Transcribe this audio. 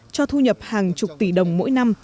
cho thu nhập hàng chục tỷ đồng mỗi năm